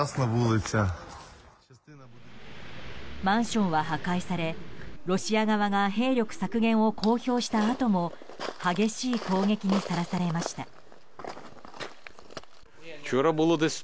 マンションは破壊されロシア側が兵力削減を公表したあとも、激しい攻撃にさらされました。